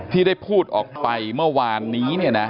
ที่ได้พูดออกไปเมื่อวานนี้เนี่ยนะ